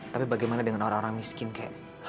tapi bagaimana dengan orang orang miskin kayak